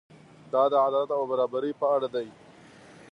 دا د عدالت او برابرۍ په اړه دی.